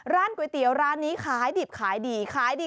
ร้านก๋วยเตี๋ยวร้านนี้ขายดิบขายดีขายดี